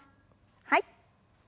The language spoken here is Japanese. はい。